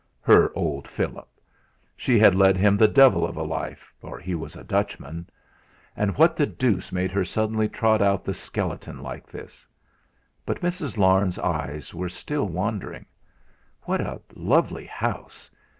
Her dear Philip! She had led him the devil of a life, or he was a Dutchman! And what the deuce made her suddenly trot out the skeleton like this? But Mrs. Larne's eyes were still wandering. "What a lovely house!